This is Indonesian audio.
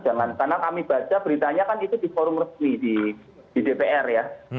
karena kami baca beritanya kan itu di forum resmi di dpr ya